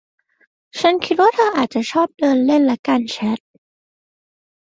ฉันคิดว่าเธออาจจะชอบเดินเล่นและการแชท